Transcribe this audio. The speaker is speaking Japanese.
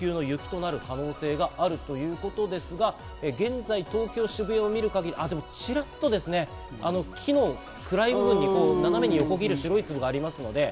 今後、雪が降り続いた場合は警報級の雪となる可能性があるということですが、現在、東京・渋谷を見る限り、チラッとですね、木の暗い部分に斜めに横切る粒があります。